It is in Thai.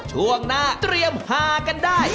ช่วงหน้าเตรียมฮากันได้